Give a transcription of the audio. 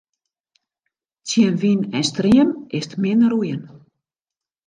Tsjin wyn en stream is 't min roeien.